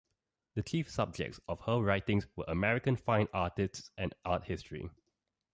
The chief subjects of her writings were American fine artists and art history.